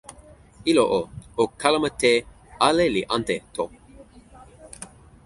ilo o, o kalama te "ale li ante" to.